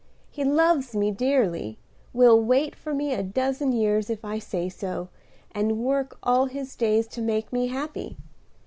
He loves me dearly; will wait for me a dozen years, if I say so, and work all his days to make me happy.